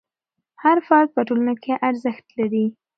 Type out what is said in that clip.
هر فرد په ټولنه کې ارزښت لري.